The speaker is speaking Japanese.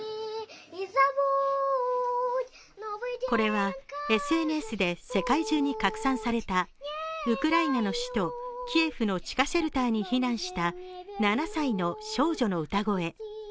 これはＳＮＳで世界中に拡散されたウクライナの首都、キエフの知香シェルターに避難した７歳の少女の歌声。